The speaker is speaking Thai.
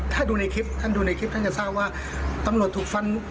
ถ้าดูในคลิปท่านจะทราบว่า